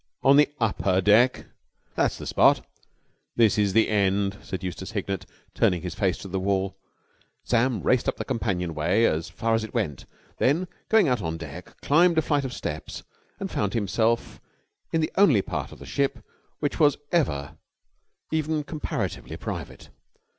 "On the upper deck?" "That's the spot." "This is the end," said Eustace Hignett, turning his face to the wall. Sam raced up the companion way as far as it went; then, going out on deck, climbed a flight of steps and found himself in the only part of the ship which was ever even comparatively private.